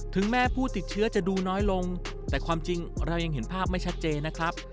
ถึงแม้ผู้ติดเชื้อจะดูน้อยลงแต่ความจริงเรายังเห็นภาพไม่ชัดเจนนะครับ